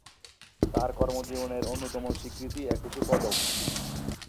তার কর্মজীবনের অন্যতম স্বীকৃতি একুশে পদক।